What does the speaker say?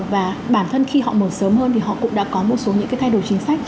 và bản thân khi họ mở sớm hơn thì họ cũng đã có một số những cái thay đổi chính sách